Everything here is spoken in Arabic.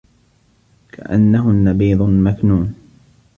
كَأَنَّهُنَّ بَيضٌ مَكنونٌ